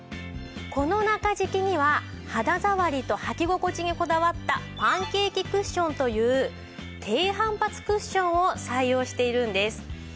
この中敷きには肌触りと履き心地にこだわったパンケーキクッションという低反発クッションを採用しているんです。